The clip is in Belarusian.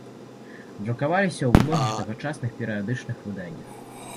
Друкаваўся ў многіх тагачасных перыядычных выданнях.